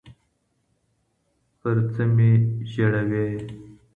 پـر څه مـي ژړوې